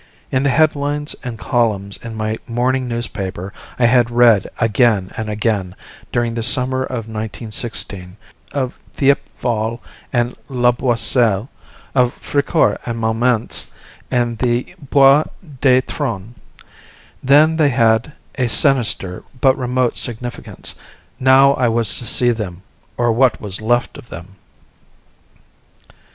In the headlines and columns of my morning newspaper I had read again and again, during the summer of 1916, of Thiepval and La Boisselle, of Fricourt and Mametz and the Bois des Trones. Then they had had a sinister but remote significance; now I was to see them, or what was left of them!